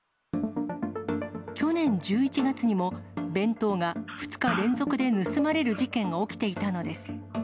去年１１月にも、弁当が２日連続で盗まれる事件が起きていたのです。